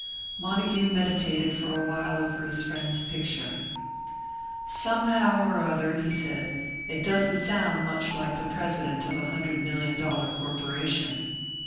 Montague meditated for a while over his friend's picture. "Somehow or other," he said, "it doesn't sound much like the president of a hundred million dollar corporation."